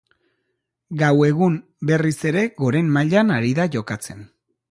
Gau egun berriz ere goren mailan ari da jokatzen.